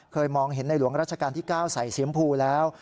มองเห็นในหลวงราชการที่๙ใส่สีมพูแล้ว